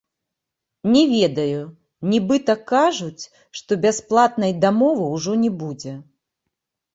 Не ведаю, нібыта кажуць, што бясплатнай дамовы ўжо не будзе.